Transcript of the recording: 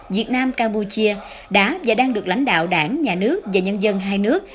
việt nam campuchia đã và đang được lãnh đạo đảng nhà nước và nhân dân hai nước